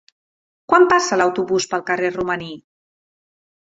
Quan passa l'autobús pel carrer Romaní?